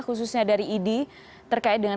khususnya dari idi terkait dengan